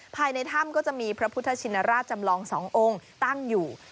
ภายในถ้ำก็จะมีพระพุทธชินราชจำลอง๒องค์ตั้งอยู่